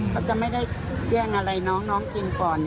เขาจะไม่ได้แย่งอะไรน้องกินก่อน